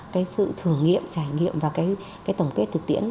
cái sự thử nghiệm trải nghiệm và cái tổng kết thực tiễn